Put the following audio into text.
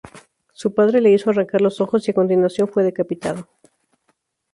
Su padre le hizo arrancar los ojos y, a continuación, fue decapitado.